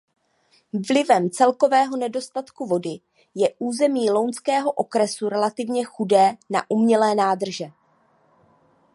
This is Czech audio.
Vlivem celkového nedostatku vody je území lounského okresu relativně chudé na umělé nádrže.